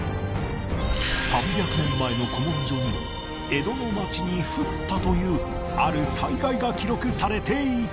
３００年前の古文書には江戸の町に降ったというある災害が記録されていた